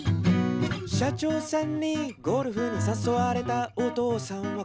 「社長さんにゴルフにさそわれたお父さんは答えました」